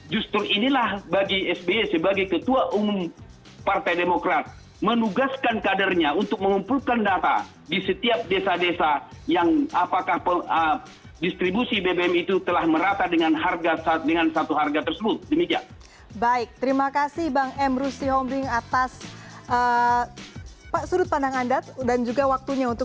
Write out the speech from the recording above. justru inilah bagi sby sebagai ketua umum partai demokrat menugaskan kadernya untuk mengumpulkan data di setiap desa desa yang apakah distribusi bbm itu telah merata dengan satu harga tersebut